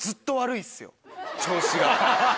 調子が。